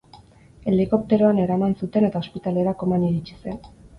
Helikopteroan eraman zuten eta ospitalera koman iritsi zen.